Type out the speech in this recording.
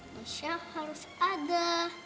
musya harus ada